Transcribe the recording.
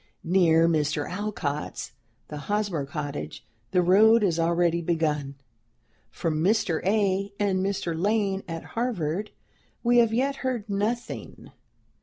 Near Mr. Alcott's (the Hosmer cottage) the road is already begun. From Mr. A. and Mr. Lane at Harvard we have yet heard nothing.